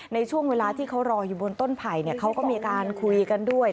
ในช่วงเวลาที่เขารออยู่บนต้นไผ่เขาก็มีการคุยกันด้วย